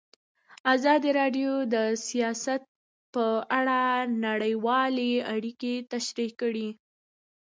ازادي راډیو د سیاست په اړه نړیوالې اړیکې تشریح کړي.